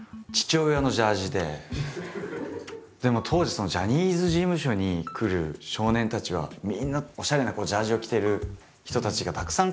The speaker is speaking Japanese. でも当時ジャニーズ事務所に来る少年たちはみんなおしゃれなジャージを着てる人たちがたくさん来るわけですよ。